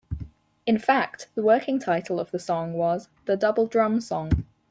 In fact, the working title of the song was "The Double Drum Song".